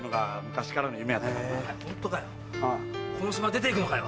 この島出ていくのかよ